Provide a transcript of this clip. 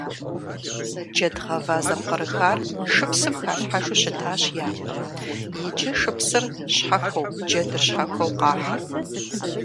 Джэд гъэва зэпкърыхар шыпсым халъхьэжу щытащ япэм, иджы шыпсыр щхьэхуэу джэдыр щхьэхуэу къахьыр.